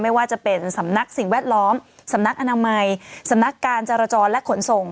ไม่ว่าจะเป็นสำนักสิ่งแวดล้อมสำนักอนามัยสำนักการจรจรและขนส่ง